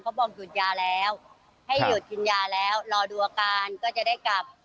บอกหยุดยาแล้วให้หยุดกินยาแล้วรอดูอาการก็จะได้กลับ